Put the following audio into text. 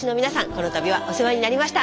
この度はお世話になりました。